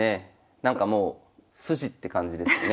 なんかもう筋って感じですよね